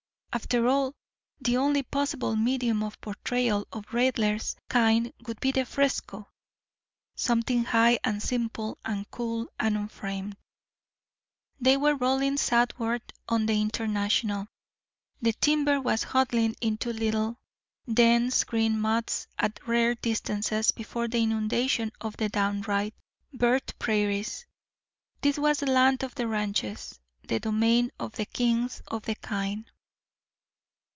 After all, the only possible medium of portrayal of Raidler's kind would be the fresco—something high and simple and cool and unframed. They were rolling southward on the International. The timber was huddling into little, dense green motts at rare distances before the inundation of the downright, vert prairies. This was the land of the ranches; the domain of the kings of the kine.